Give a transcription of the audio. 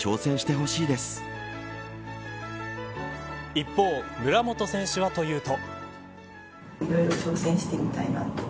一方、村元選手はというと。